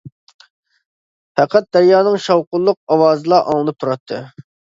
پەقەت دەريانىڭ شاۋقۇنلۇق ئاۋازىلا ئاڭلىنىپ تۇراتتى.